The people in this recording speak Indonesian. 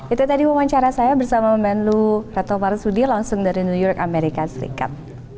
itu tadi wawancara saya bersama menlu reto marsudi langsung dari new york amerika serikat